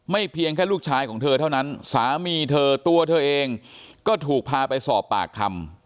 เพียงแค่ลูกชายของเธอเท่านั้นสามีเธอตัวเธอเองก็ถูกพาไปสอบปากคำ